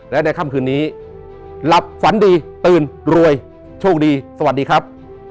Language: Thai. และในค่ำคืนนี้หลับฝันดีตื่นรวยโชคดีสวัสดีครับ